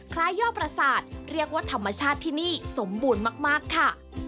ยอดประสาทเรียกว่าธรรมชาติที่นี่สมบูรณ์มากค่ะ